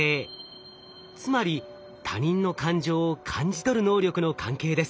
つまり他人の感情を感じ取る能力の関係です。